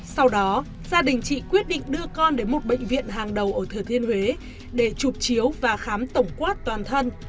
sau đó gia đình chị quyết định đưa con đến một bệnh viện hàng đầu ở thừa thiên huế để chụp chiếu và khám tổng quát toàn thân